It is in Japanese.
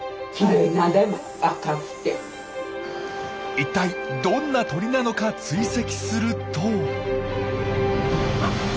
一体どんな鳥なのか追跡すると。